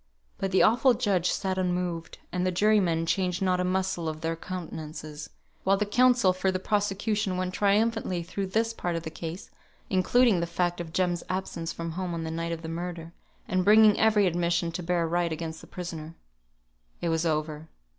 But the awful judge sat unmoved; and the jurymen changed not a muscle of their countenances; while the counsel for the prosecution went triumphantly through this part of the case, including the fact of Jem's absence from home on the night of the murder, and bringing every admission to bear right against the prisoner. It was over.